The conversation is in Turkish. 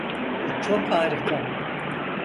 Bu çok harika!